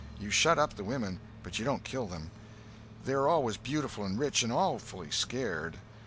You shut up the women, but you don't kill them. They're always beautiful and rich, and awfully scared.